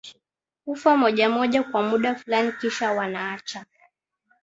hufa mmoja mmoja kwa muda fulani kisha wanaacha